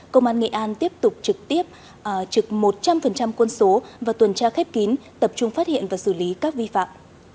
công an nghệ an tiếp tục trực tiếp trực một trăm linh quân số và tuần tra khép kín tập trung phát hiện và xử lý các vi phạm